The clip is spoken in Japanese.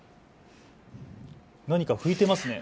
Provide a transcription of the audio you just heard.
何か拭いていますね。